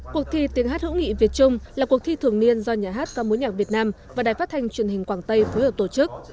cuộc thi tiếng hát hữu nghị việt trung là cuộc thi thường niên do nhà hát ca mối nhạc việt nam và đài phát thanh truyền hình quảng tây phối hợp tổ chức